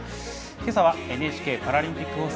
今朝はＮＨＫパラリンピック放送